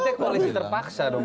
maksudnya koalisi terpaksa dong